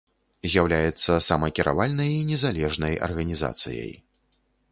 З'яўляецца самакіравальнай і незалежнай арганізацыяй.